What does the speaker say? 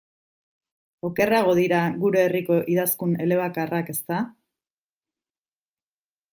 Okerrago dira gure herriko idazkun elebakarrak, ezta?